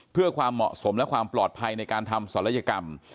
เพื่อความเหมาะสมและความปลอดภัยในการทำศัลยกรรม